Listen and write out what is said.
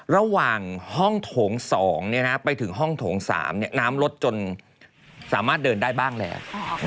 ระหว่างห้องโถง๒เนี่ยนะไปถึงห้องโถง๓เนี่ยน้ำลดจนสามารถเดินได้บ้างแหลก